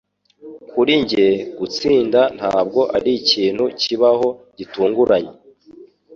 Kuri njye, gutsinda ntabwo arikintu kibaho gitunguranye